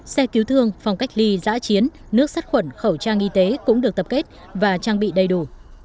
xe cứu thương phòng cách ly giã chiến nước sắt khuẩn khẩu trang y tế cũng được tập kết và trang bị đầy đủ